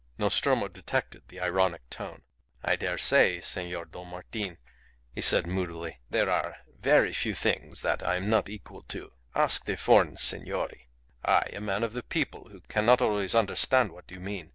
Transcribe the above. Nostromo detected the ironic tone. "I dare say, Senor Don Martin," he said, moodily. "There are very few things that I am not equal to. Ask the foreign signori. I, a man of the people, who cannot always understand what you mean.